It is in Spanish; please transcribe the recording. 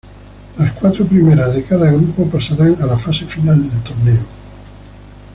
Las cuatro primeras de cada grupo pasarán a la fase final del torneo.